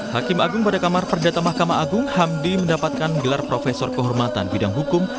hakim agung pada kamar perdata mahkamah agung hamdi mendapatkan gelar profesor kehormatan bidang hukum